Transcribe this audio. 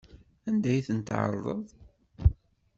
Anda i ten-tɛerḍeḍ?